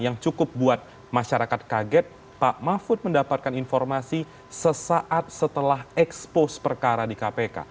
untuk membuat masyarakat kaget pak mahfud mendapatkan informasi sesaat setelah expose perkara di kpk